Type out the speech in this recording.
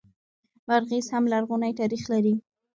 بادغیس هم لرغونی تاریخ لري